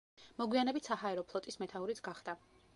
მოგვიანებით საჰაერო ფლოტის მეთაურიც გახდა.